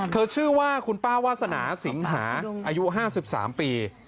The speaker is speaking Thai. ชื่อว่าคุณป้าวาสนาสิงหาอายุ๕๓ปี